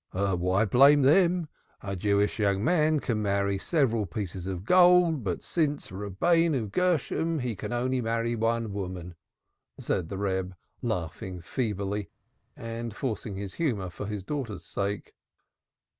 "Why blame them? A Jewish young man can marry several pieces of gold, but since Rabbenu Gershom he can only marry one woman," said the Reb, laughing feebly and forcing his humor for his daughter's sake.